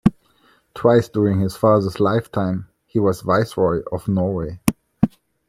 Twice during his father's lifetime he was viceroy of Norway.